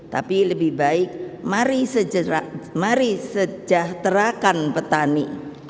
tapi lebih baik mari sejahterakan petani